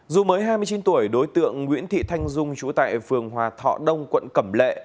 dù mới hai mươi chín tuổi đối tượng nguyễn thị thanh dung chú tại phường hòa thọ đông quận cẩm lệ